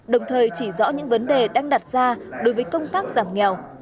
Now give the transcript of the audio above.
đồng thời chỉ rõ những vấn đề đang đặt ra đối với công tác giảm nghèo